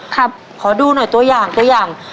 ขอดูหน่อยตัวอย่างตัวอย่าง